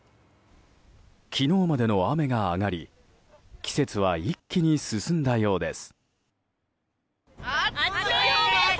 昨日までの雨が上がり季節は一気に進んだようです。